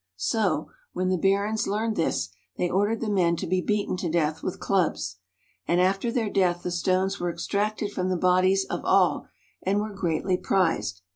So, when the barons learned this, they ordered the men to be beaten to death with clubs. And after their death the stones were extracted from the bodies of all, and were greatly prized.